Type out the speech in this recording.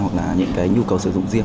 hoặc là những cái nhu cầu sử dụng riêng